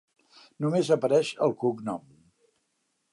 Només apareix el cognom.